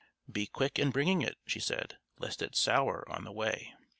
"Be quick in bringing it," she said, "lest it sour on the way."